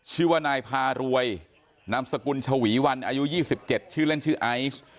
ชื่อว่านายพารวยนามสกุลชวีวันอายุ๒๗ชื่อเล่นชื่อไอซ์